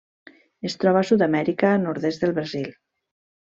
Es troba a Sud-amèrica: nord-est del Brasil.